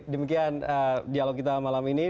demikian dialog kita malam ini